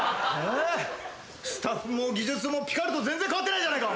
スタッフも技術も『ピカル』と全然変わってないじゃないか。